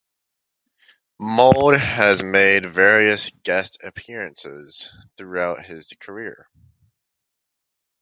Mould has made various guest appearances throughout his career.